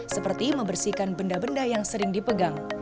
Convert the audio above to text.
seperti membersihkan benda benda yang sering dipegang